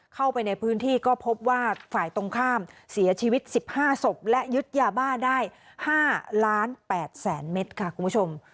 เข้าไปในพื้นที่ก็พบว่าฝ่ายตรงข้ามเสียชีวิต๑๕ศพและยึดยาบ้าได้๕ล้าน๘แสนเมตรค่ะคุณผู้ชม